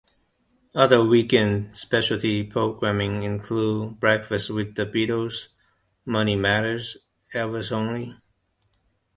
Other weekend specialty programming includes "Breakfast with The Beatles", "Money Matters", "Elvis Only!